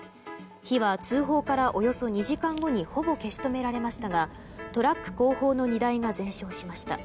火は通報からおよそ２時間後にほぼ消し止められましたがトラック後方の荷台が全焼しました。